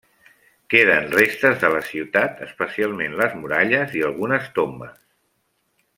Queden restes de la ciutat especialment les muralles i algunes tombes.